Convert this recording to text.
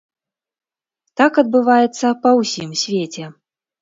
Так адбываецца па ўсім свеце.